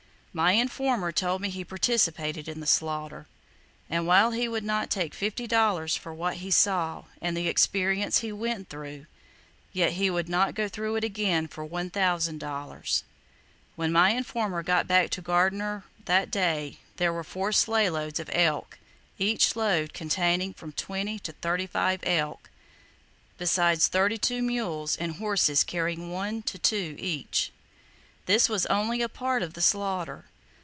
My informer told me he participated in the slaughter, and while he would not take fifty dollars for what he saw, and the experience he went through, yet he would not go through it again for $1,000. When my informer got back to Gardiner that day there were four sleigh loads of elk, each load containing from twenty to thirty five elk, besides thirty two mules and horses carrying one to two each. This [Page 71] was only a part of the slaughter.